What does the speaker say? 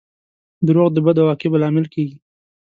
• دروغ د بدو عواقبو لامل کیږي.